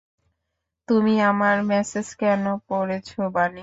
তুমি আমার মেসেজ কেন পড়েছ, বানি!